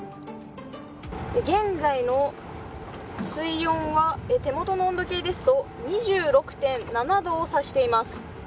現在の水温は手元の温度計ですと２６．７度をさしています。